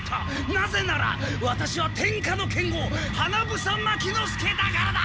なぜならワタシは天下の剣豪花房牧之介だからだ！